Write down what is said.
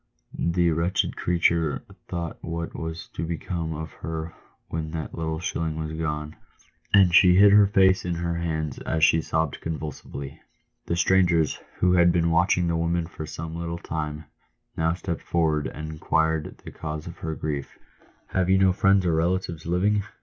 The wretched creature thought what was to become of her when that little shilling was gone, and she hid her face in her hands as she sobbed convulsively. The strangers, who had been watching the woman for some little time, now stepped forward, and inquired the cause of her grief. " Have you no friends or relatives living